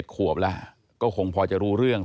ขวบแล้วก็คงพอจะรู้เรื่อง